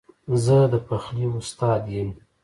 زه د پخلي استاد یم